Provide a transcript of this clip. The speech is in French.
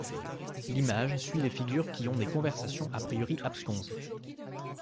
L'image suit les figures qui ont des conversations à priori absconses.